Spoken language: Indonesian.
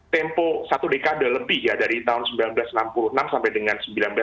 tempo satu dekade lebih ya dari tahun seribu sembilan ratus enam puluh enam sampai dengan seribu sembilan ratus sembilan puluh